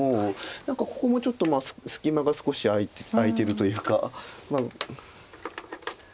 何かここもちょっと隙間が少し空いてるというか。